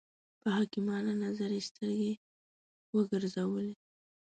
په حکیمانه نظر یې سترګې وګرځولې.